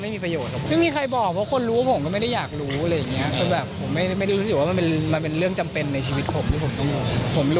มีความรู้สึกหวังไหม